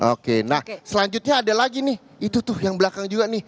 oke nah selanjutnya ada lagi nih itu tuh yang belakang juga nih